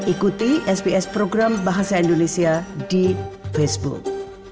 ikuti sps program bahasa indonesia di facebook